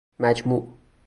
مجموع